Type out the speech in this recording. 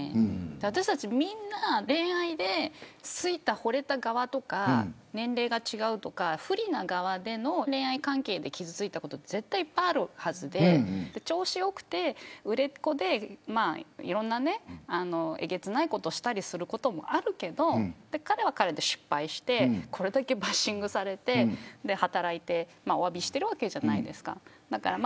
私たちみんな恋愛で好いたほれた側とか年齢が違うとか不利な側での恋愛関係で傷ついたことは絶対あるはずで調子良くて、売れっ子でいろんなえげつないことをしたりすることもあるけど彼は彼で失敗してこれだけバッシングされて働いておわびしているわけじゃないですか。